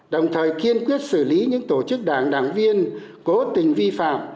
đồng thời kiên quyết xử lý những tổ chức đảng đảng viên cố tình vi phạm